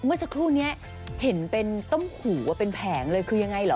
เมื่อสักครู่นี้เห็นเป็นต้มหูเป็นแผงเลยคือยังไงเหรอ